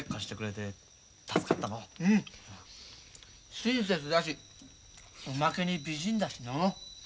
親切だしおまけに美人だしのう。